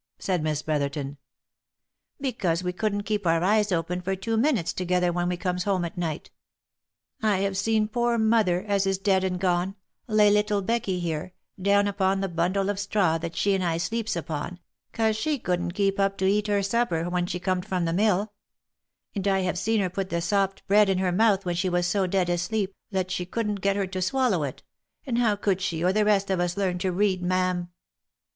said Miss Brotherton. " Because we couldn't keep our eyes open for two minutes together when we comes home at night. I have seen poor mother, as is dead and gone, lay little Becky here, down upon the bundle of straw that she and I sleeps upon, 'cause she couldn't keep up to eat her supper when she corned frOm the mill — and I have seen her put the sopped bread in her mouth when she was so dead asleep, that she couldn't get her to swallow it — and how could she or the rest of us learn to read, ma'am?"